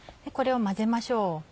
これを混ぜましょう。